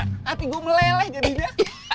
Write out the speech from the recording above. hati gue meleleh juga